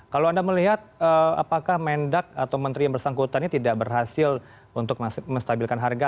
kalau anda melihat apakah mendak atau menteri yang bersangkutan ini tidak berhasil untuk menstabilkan harga